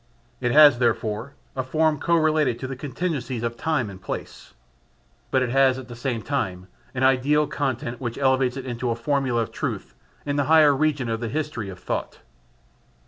It has therefore a form co related to the contingencies of time and place; but it has at the same time an ideal content which elevates it into a formula of truth in the higher region of the history of thought.